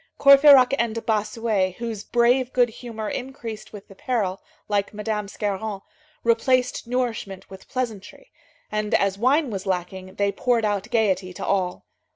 Courfeyrac and Bossuet, whose brave good humor increased with the peril, like Madame Scarron, replaced nourishment with pleasantry, and, as wine was lacking, they poured out gayety to all.